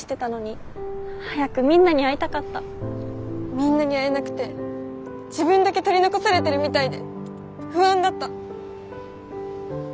みんなに会えなくて自分だけ取り残されてるみたいで不安だった。